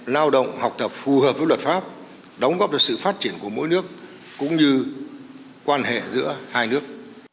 lao động học tập phù hợp với luật pháp đóng góp cho sự phát triển của mỗi nước cũng như quan hệ giữa hai nước